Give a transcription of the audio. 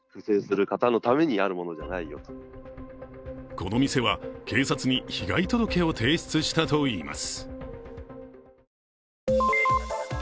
この店は警察に被害届を提出したといいます。